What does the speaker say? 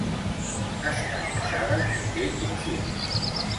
Està casada i té un fill.